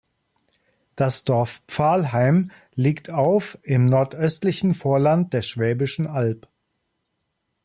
Das Dorf Pfahlheim liegt auf im nordöstlichen Vorland der Schwäbischen Alb.